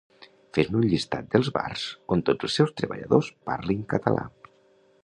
Fes-me un llistat dels bars on tots els seus treballadors parlin català